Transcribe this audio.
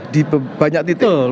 di banyak titik